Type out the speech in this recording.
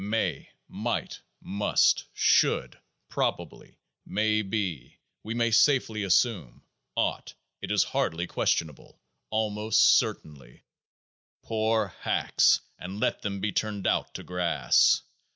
May, might, must, should, probably, may be, we may safely assume, ought, it is hardly questionable, almost certainly — poor hacks ! let them be turned out to grass